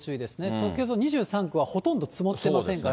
東京２３区はほとんど積もってませんから。